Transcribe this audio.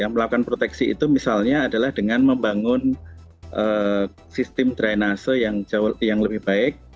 melakukan proteksi itu misalnya adalah dengan membangun sistem drainase yang lebih baik